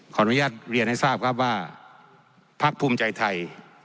ขออนุญาตเรียนให้ทราบครับว่าพักภูมิใจไทย